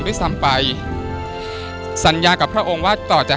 ก็ต้องยอมรับว่ามันอัดอั้นตันใจและมันกลั้นไว้ไม่อยู่จริง